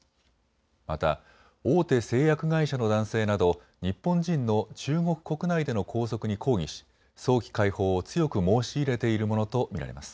また大手製薬会社の男性など日本人の中国国内での拘束に抗議し早期解放を強く申し入れているものと見られます。